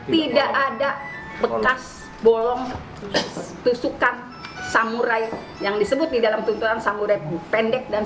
tidak ada bekas bolong tusukan samurai yang disebut di dalam tuntunan samurai pendek